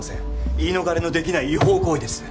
言い逃れのできない違法行為です